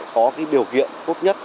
có cái điều kiện tốt nhất